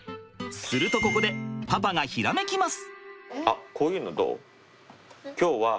するとここでパパがひらめきます。